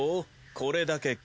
これだけか。